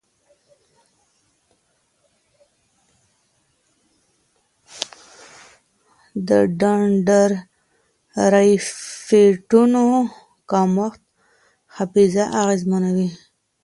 د ډنډرایټونو کمښت حافظه اغېزمنوي.